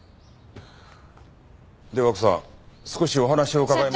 では奥さん少しお話を伺えますか。